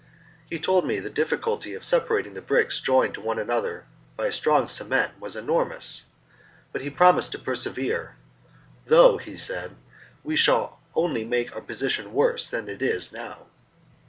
He told me the difficulty of separating the bricks joined to one another by a strong cement was enormous, but he promised to persevere, "though," he said, "we shall only make our position worse than it is now."